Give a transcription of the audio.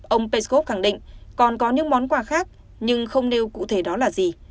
ông peskov khẳng định còn có những món quà khác nhưng không nêu cụ thể đó là gì